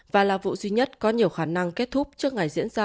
và là vụ duy nhất có nhiều khả năng kết thúc trước ngày diễn ra